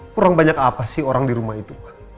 kurang banyak apa sih orang di rumah itu